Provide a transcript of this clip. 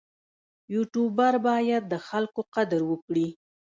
یوټوبر باید د خلکو قدر وکړي.